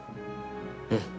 うん！